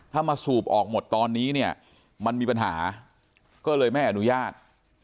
ถ้ามาสูบออกหมดตอนนี้เนี่ยมันมีปัญหาก็เลยไม่อนุญาต